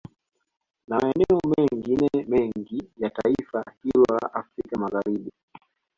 Na maeneo mengine mengi ya taifa hilo la Afrika Magharibi